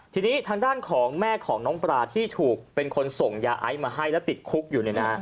ทีนี้ทางด้านของแม่ของน้องปลาที่ถูกเป็นคนส่งยาไอซ์มาให้แล้วติดคุกอยู่เนี่ยนะ